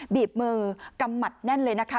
บีบมือกำหมัดแน่นเลยนะคะ